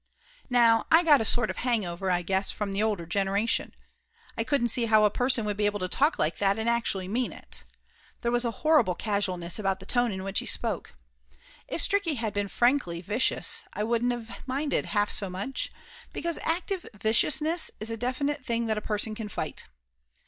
Now, I got a sort of hangover, I guess, from the older generation. I couldn't see how a person would be able to talk like that and actually mean it. There was a horrible casualness about the tone in which he spoke. If Stricky had been frankly vicious I would n't of minded half so much, because active viciousness is a definite thing that a person can fight.